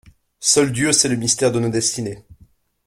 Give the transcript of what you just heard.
Seul Dieu sait le mystère de nos destinées.